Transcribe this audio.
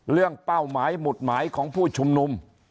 เป้าหมายหมุดหมายของผู้ชุมนุม